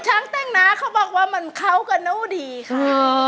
ช่างแต่งหน้าเขาบอกว่ามันเข้ากับนิ้วดีค่ะ